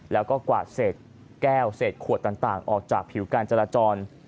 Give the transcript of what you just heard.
แล้วก็กวาดเศษแก้วเศษขวดต่างออกจากผิวการจราจร